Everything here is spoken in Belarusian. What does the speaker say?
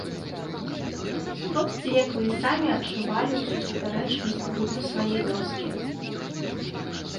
Хлопцы як бы і самі адчувалі ўсю супярэчнасць быту свае вёскі.